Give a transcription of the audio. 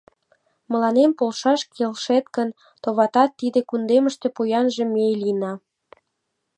Мыланем полшаш келшет гын, товатат, тиде кундемыште поянже ме лийына!..